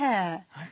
はい。